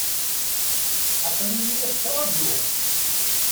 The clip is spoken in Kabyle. Aql-iyi la t-ttṛajuɣ.